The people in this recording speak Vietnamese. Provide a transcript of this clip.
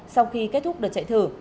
sau khi kết thúc đợt chạy thử